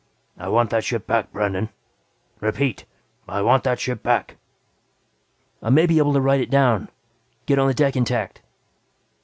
I want that ship back, Brandon. Repeat, I want that ship back!" "I may be able to ride it down. Get it on the deck intact."